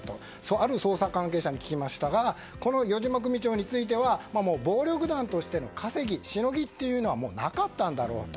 ある捜査関係者に聞きましたがこの余嶋組長については暴力団としての稼ぎしのぎというのはもうなかったんだろうと。